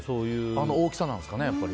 あの大きさなんですかね。